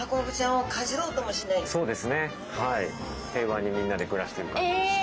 平和にみんなで暮らしてる感じです。